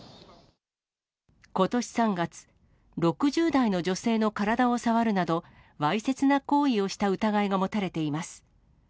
ことし３月、６０代の女性の体を触るなど、わいせつな行為をした疑いが持たれています。